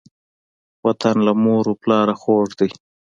وطن له مور او پلاره خووږ دی.